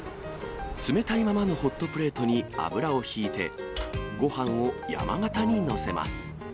冷たいままのホットプレートに油をひいて、ごはんを山型に載せます。